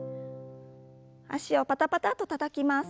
脚をパタパタとたたきます。